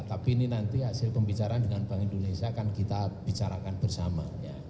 tapi ini nanti hasil pembicaraan dengan bank indonesia akan kita bicarakan bersama